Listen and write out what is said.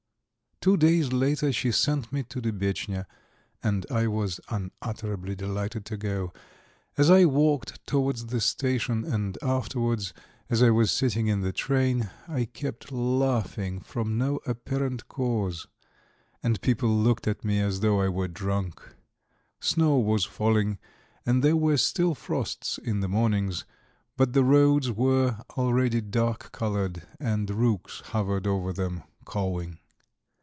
X Two days later she sent me to Dubetchnya and I was unutterably delighted to go. As I walked towards the station and afterwards, as I was sitting in the train, I kept laughing from no apparent cause, and people looked at me as though I were drunk. Snow was falling, and there were still frosts in the mornings, but the roads were already dark coloured and rooks hovered over them, cawing.